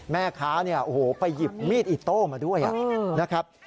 แม่ค้าเนี่ยโอ้โหไปหยิบมีดอิโต้มาด้วยนะครับ